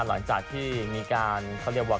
หลังจากที่มีการเขาเรียกว่า